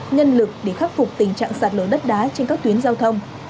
nhân lực để khắc phục tình trạng sạt lở đất đá trên các tuyến giao thông